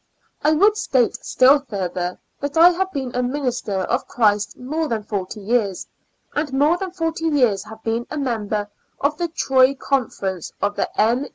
I would state still further that I have been a minister of Christ more than forty years, and more than forty years have been a member of the Troy Conference of the M.